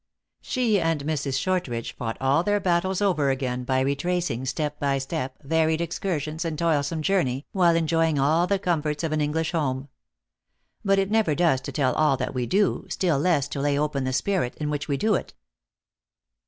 She and Mrs. Shortridge fought all their battles over again, by retracing, step by step, varied excursions and toilsome journey, while enjoy ing all the comforts of an English home. But it never does to tell all that we do, still less, to lay open the spirit in which we do it.